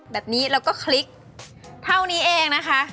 แบบนี้แล้วก็คลิกเท่านี้เองนะคะ